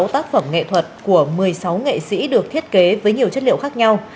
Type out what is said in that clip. sáu mươi tác phẩm nghệ thuật của một mươi sáu nghệ sĩ được thiết kế với nhiều chất liệu khác nhau